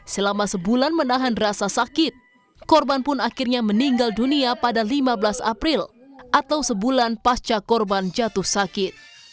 selama sebulan menahan rasa sakit korban pun akhirnya meninggal dunia pada lima belas april atau sebulan pasca korban jatuh sakit